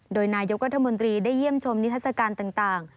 โดยนายกรัฐมนตรีได้เยี่ยมชมนิทัศกาลต่าง